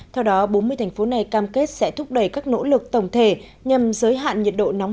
theo đó bốn mươi thành phố này cam kết sẽ thúc đẩy các nỗ lực tổng thể nhằm giới hạn nhiệt độ nóng